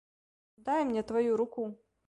Дай мне тваю руку!